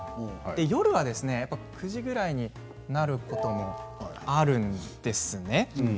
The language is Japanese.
夜は９時くらいになることもあるんですね。